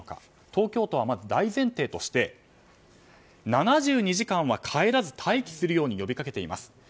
東京都はまず大前提として７２時間は帰らず待機するように呼びかけています。